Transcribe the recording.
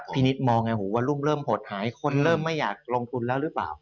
พี่นิดมองว่าวอลูมเริ่มหดหายคนเริ่มไม่อยากลงทุนแล้วหรือเปล่า